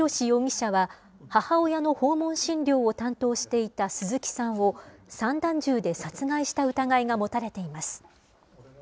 容疑者は、母親の訪問診療を担当していた鈴木さんを、散弾銃で殺害した疑いが持たれています。